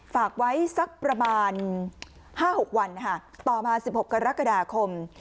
ฝากไว้สักประมาณ๕๖วันต่อมา๑๖กรกฎาคม